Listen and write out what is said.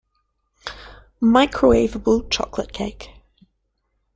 Microwaveable chocolate cake